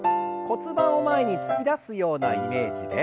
骨盤を前に突き出すようなイメージで。